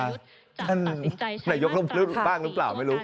นั่นนายยกต้องพูดบ้างหรือเปล่าไม่รู้